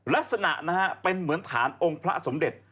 ลักษณะนะฮะเป็นเหมือนฐานองค์พระสมเด็จ